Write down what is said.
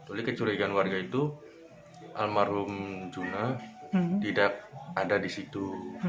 oleh kecurigaan warga itu almarhum juna tidak ada di situ